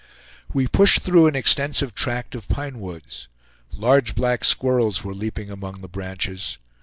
We pushed through an extensive tract of pine woods. Large black squirrels were leaping among the branches.